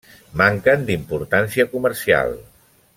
Manquen d'importància comercial.